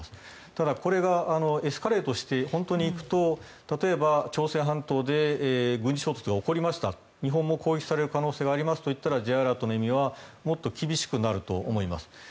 ただ、これが本当にエスカレートしていくと例えば、朝鮮半島で軍事衝突が起こりました日本も攻撃される可能性がありますということになるとＪアラートの意味はもっと厳しくなると思います。